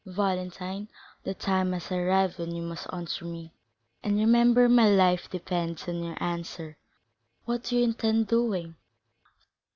"Valentine, the time has arrived when you must answer me. And remember my life depends on your answer. What do you intend doing?"